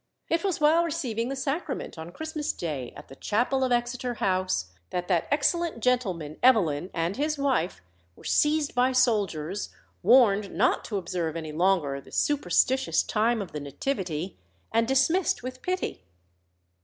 It was while receiving the sacrament on Christmas Day at the chapel of Exeter House that that excellent gentleman, Evelyn, and his wife were seized by soldiers, warned not to observe any longer the "superstitious time of the Nativity," and dismissed with pity.